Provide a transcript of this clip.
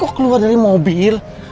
kok keluar dari mobil